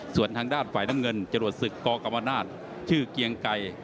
ส่วนทางด้านฝ่ายด้านเงินจรวดศึกกอล์มกำปะนาฬชื่อเกียงไก่